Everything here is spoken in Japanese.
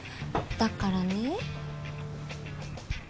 だからね。